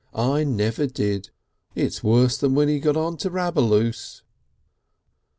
"I never did. It's worse than when he got on to Raboloose."